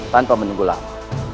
tanpa menunggu lama